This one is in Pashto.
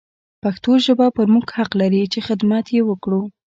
پښتو ژبه پر موږ حق لري چې حدمت يې وکړو.